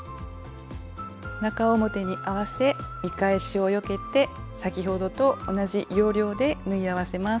中表に合わせ見返しをよけて先ほどと同じ要領で縫い合わせます。